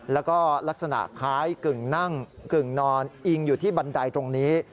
แล้วก็ลักษณะคล้ายกึ่งนั่งกึ่งนอนอิงอยู่ที่บันไดตรงนี้